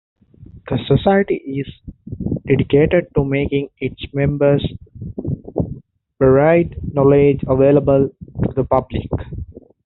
The Society is dedicated to making its members' varied knowledge available to the public.